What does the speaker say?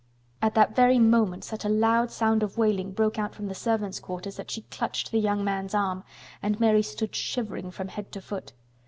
At that very moment such a loud sound of wailing broke out from the servants' quarters that she clutched the young man's arm, and Mary stood shivering from head to foot.